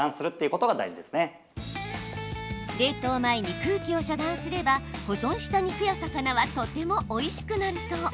冷凍前に空気を遮断すれば保存した肉や魚はとてもおいしくなるそう。